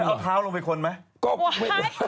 อะแล้วเอาเท้าลงไปคนไหม